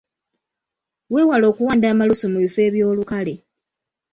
Weewale okuwanda amalusu mu bifo eby'olukale.